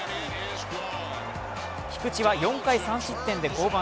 菊池は４回３失点で降板。